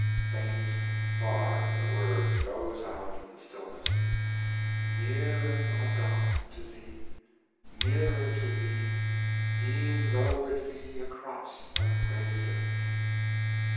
Faint and far the words rose out of the stillness: Nearer, my God, to Thee, Nearer to Thee, E'en though it be a cross That raiseth me.